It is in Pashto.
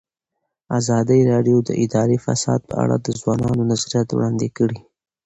ازادي راډیو د اداري فساد په اړه د ځوانانو نظریات وړاندې کړي.